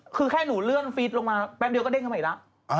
คือแค่หนูเลื่อนฟีดลงมาแป๊บเดียวก็เด้งขึ้นมาอีกแล้ว